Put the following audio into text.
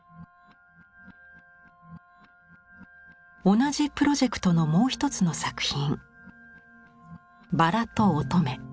同じプロジェクトのもう一つの作品。